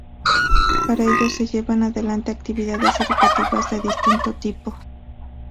Para ello se llevan adelante actividades educativas de distinto tipo.